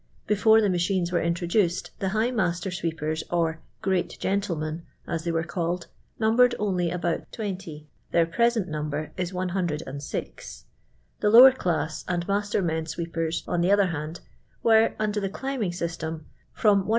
Before the ma chines were inlroduceil, the high maNtrr sweepers or *• liToat genth'iuen," as they were called, num bered only about 20 ; their present number is lUtJ. Tile lowfr i lass and master men sweepers, on the other hand. Wi*re, under the climbing system, from 1 .